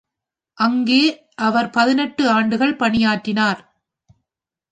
அங்கே அவர் பதினெட்டு ஆண்டுகள் பணியாற்றினார்.